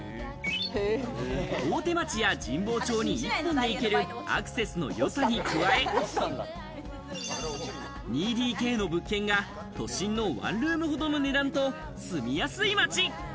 大手町や神保町に一本で行けるアクセスの良さに加え、２ＤＫの物件が都心のワンルームほどの値段と、住みやすい街。